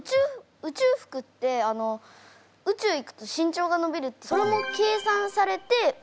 宇宙服って宇宙行くと身長が伸びるってそれも計算されて宇宙服を作ってるんですか？